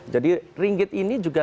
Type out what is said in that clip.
jadi ringgit ini juga